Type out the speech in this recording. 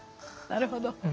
なるほど。